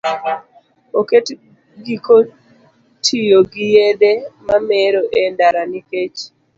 Oket giko tiyo gi yedhe mamero e ndara nikech